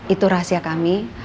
itu rahasia kami